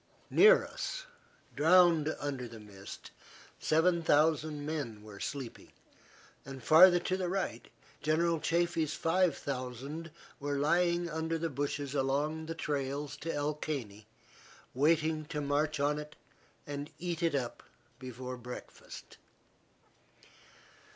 Near us, drowned under the mist, seven thousand men were sleeping, and, farther to the right, General Chaffee's five thousand were lying under the bushes along the trails to El Caney, waiting to march on it and eat it up before breakfast.